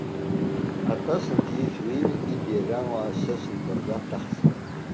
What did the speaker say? Aṭas n tyitwin i d-irra uɛessas n terbaɛt taxṣimt.